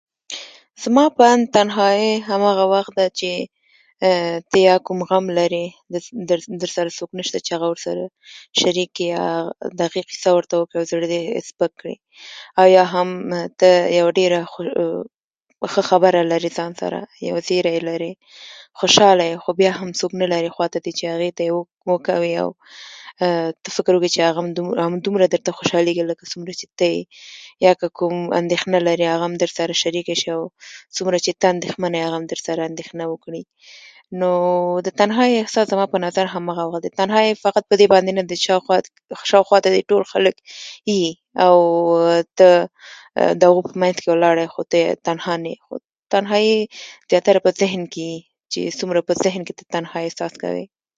زما په اند، تنهایې هماغه وخت ده چې یا کوم غم لرې، در درسره څوک نشته چې هغه ورسره شرېک کړې، یا اغه کیسه ورته وکړې، زړه دې سپک کړې. او ایا ته یو یو ډېره ښه خبره لرې ځان سره، یو زیری لرې، خوشاله یې، خو بیا هم څوک نه لرې خواته چې هغې ته یې وکوې. ته فکر وکړه چې هغه هم هم همدومره درته خوشالېږي لکه څنګه چې ته یې، یا کوم انديښنه لرې چې هغه م درسره شریکه شي. څومره چې ته انديښمنه یې، هغه هم درسره انديښنه وکړي. نو د تنهايۍ احساس زما په فکر هماغه ده. تنهايۍ يوازې هماغه نه ده چې شاوخوا ته دې ټول خلک يي، او ته د هغو په منځ کې ولاړه یې، او ته تنها نه یې. تنهايي زياتره په ذهن کې يي، چې څومره په ذهن کې ته تنها احساس کوې.